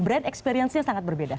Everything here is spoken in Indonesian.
brand experience nya sangat berbeda